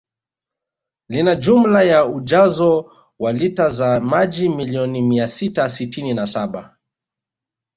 Lina jumla ya ujazo wa lita za maji milioni mia sita sitini na saba